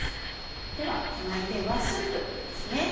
では隣ではスープですね。